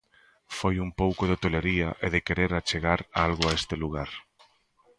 Foi un pouco de tolería e de querer achegar algo a este lugar.